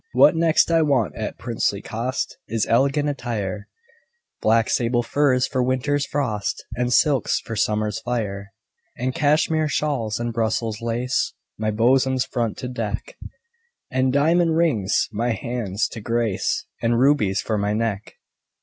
What next I want, at princely cost, Is elegant attire : Black sable furs for winter's frost, And silks for summer's fire, And Cashmere shawls, and Brussels lace My bosom's front to deck, And diamond rings my hands to grace, And rubies for my neck.